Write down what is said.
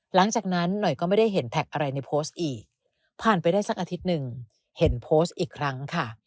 หลังจากนั้นหน่อยก็ไม่ได้เห็นแท็กอะไรในโพสต์อีกผ่านไปได้สักอาทิตย์หนึ่งเห็นโพสต์อีกครั้งค่ะ